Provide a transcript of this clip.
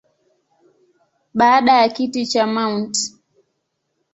Baada ya kiti cha Mt.